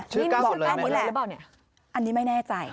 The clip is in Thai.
ชื่อก้าวชื่อเลือดไหมละอันนี้ไม่แน่ใจ